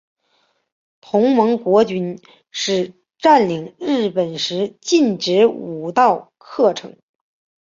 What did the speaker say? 同盟国军事占领日本时禁止武道课程。